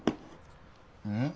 うん？